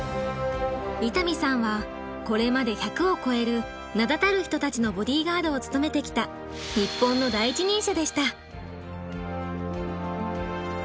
伊丹さんはこれまで１００を超える名だたる人たちのボディーガードを務めてきた日本の第一人者でした。